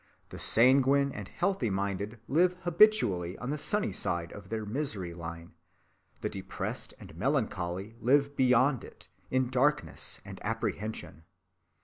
The sanguine and healthy‐minded live habitually on the sunny side of their misery‐line, the depressed and melancholy live beyond it, in darkness and apprehension.